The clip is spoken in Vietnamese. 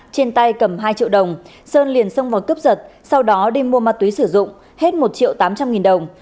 trên tay cầm hai triệu đồng sơn liền xông vào cướp giật sau đó đi mua ma túy sử dụng hết một triệu tám trăm linh nghìn đồng